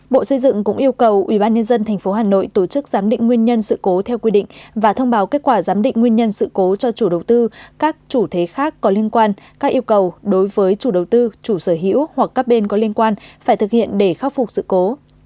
bộ xây dựng cũng yêu cầu ubnd tp hà nội tổ chức giám định nguyên nhân sự cố theo quy định và thông báo kết quả giám định nguyên nhân sự cố cho chủ đầu tư các chủ thế khác có liên quan các yêu cầu đối với chủ đầu tư chủ sở hữu hoặc các bên có liên quan phải thực hiện để khắc phục sự cố